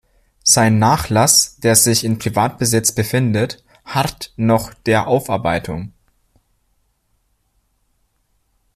Sein Nachlass, der sich in Privatbesitz befindet, harrt noch der Aufarbeitung.